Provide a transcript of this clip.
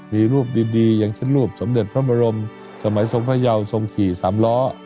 มีรูปดีอย่างเช่นรูปสมเด็จพระบรมสมัยทรงพระยาวทรงขี่สามล้อ